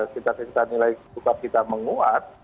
kita tingkatkan nilai tukar kita menguat